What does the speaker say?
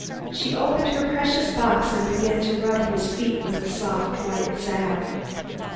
She opened her precious box and began to rub his feet with the soft white salve.